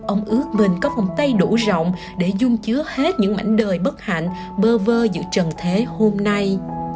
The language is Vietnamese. ông ước mình có vòng tay đủ rộng để dung chứa hết những mảnh đời bất hạnh bơ vơ giữa trần thế hôm nay